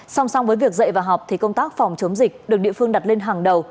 song song với việc dạy và học thì công tác phòng chống dịch được địa phương đặt lên hàng đầu